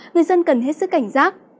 người dân cần hết sức cảnh giác